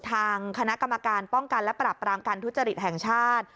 ทางคณะกรรมการป้องกันและปรับปรามการทุจริตแห่งชาติ